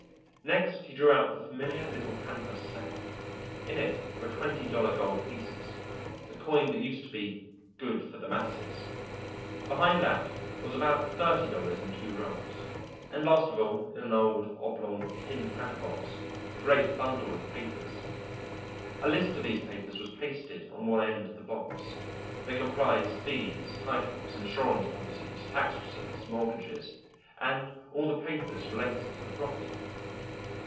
Next he drew out the familiar little canvas sack. In it were twenty dollar gold pieces, the coin that used to be "Good for the Masses." Behind that was about thirty dollars in two rolls, and last of all in an old, oblong tin cracker box a great bundle of papers. A list of these papers was pasted on one end of the box. They comprised deeds, titles, insurance policies, tax receipts, mortgages, and all the papers relating to the property.